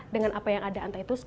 dengan apa yang ada entah itu